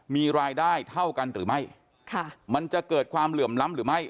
มีรายได้เท่ากันหรือไม่ค่ะมันจะเกิดความเหลื่อมล้ำหรือไม่